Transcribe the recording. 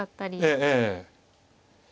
ええええ。